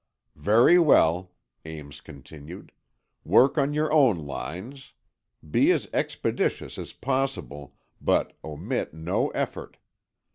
"Very well," Ames continued. "Work on your own lines. Be as expeditious as possible, but omit no effort.